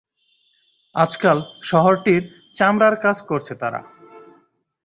আজকাল শহরটির চামড়ার কাজ করছে তারা।